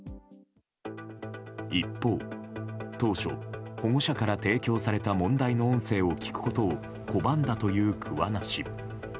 一方、当初保護者から提供された問題の音声を聞くことを拒んだという桑名市。